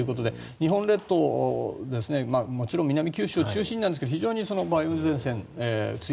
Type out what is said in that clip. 日本列島もちろん南九州中心にですが非常に梅雨前線梅雨